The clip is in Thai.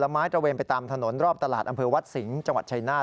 ไม้ตระเวนไปตามถนนรอบตลาดอำเภอวัดสิงห์จังหวัดชายนาฏ